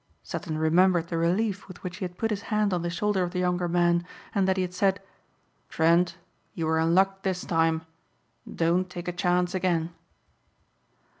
Sutton remembered the relief with which he had put his hand on the shoulder of the younger man and that he had said, "Trent, you were in luck this time. Don't take a chance again."